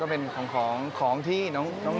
เป็นของที่น้อง